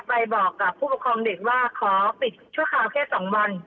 ไปบอกกับผู้ปกครองเด็กว่าขอปิดชั่วคราวแค่๒วัน